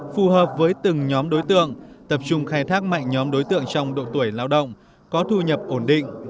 phù hợp với từng nhóm đối tượng tập trung khai thác mạnh nhóm đối tượng trong độ tuổi lao động có thu nhập ổn định